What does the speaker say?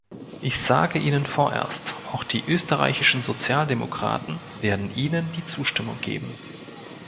Ich sage Ihnen vorerst, auch die österreichischen Sozialdemokraten werden Ihnen die Zustimmung geben.